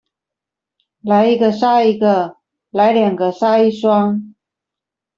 來一個殺一個、來兩個殺一雙